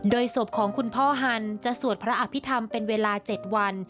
ศพของคุณพ่อฮันจะสวดพระอภิษฐรรมเป็นเวลา๗วัน